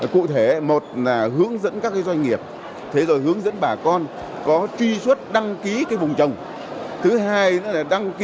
cụ thể một là hướng dẫn các doanh nghiệp thế rồi hướng dẫn bà con có truy xuất đăng ký vùng trồng